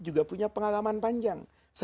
juga punya pengalaman panjang